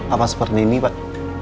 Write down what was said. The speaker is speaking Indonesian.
apa seperti ini pak